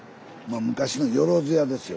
あ昔のよろず屋ですよ。